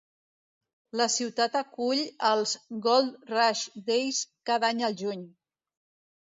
La ciutat acull els "Gold Rush Days" cada any al juny.